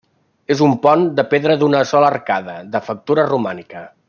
És un pont de pedra d'una sola arcada, de factura romànica.